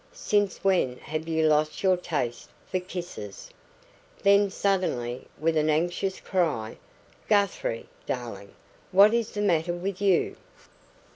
Since when have you lost your taste for kisses?" Then suddenly, with an anxious cry "Guthrie! darling! what is the matter with you?"